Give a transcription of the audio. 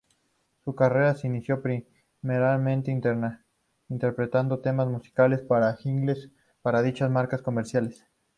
Su carrera se inició primeramente interpretando temas musicales para jingles para dichas marcas comerciales.